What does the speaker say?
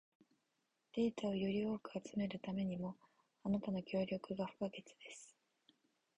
データをより多く集めるためにも、あなたの協力が不可欠です。